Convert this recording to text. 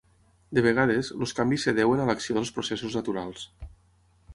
De vegades, els canvis es deuen a l'acció dels processos naturals.